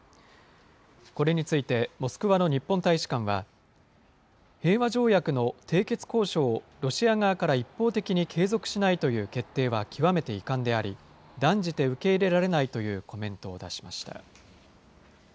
これについて、モスクワの日本大使館は、平和条約の締結交渉をロシア側から一方的に継続しないという決定は極めて遺憾であり、断じて受け入れられないというコメントを出しました。